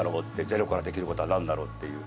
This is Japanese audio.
ゼロからできることは何だろうっていう。